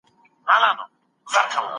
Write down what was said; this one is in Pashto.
انسان باید له فریب او دوکي څخه ډډه وکړي.